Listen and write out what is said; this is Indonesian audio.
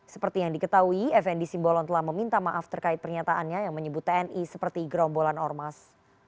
seperti yang diketahui fnd simbolon telah meminta maaf terkait pernyataannya yang menyebut tni seperti gerombolan ormas